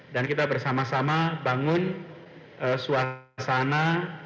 dan kita bersama sama bangun suasana